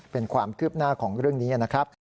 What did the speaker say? เป็นความคืบหน้าของเรื่องนี้นะครับ